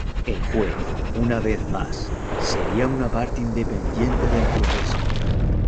El juez, una vez más, sería una parte independiente del proceso.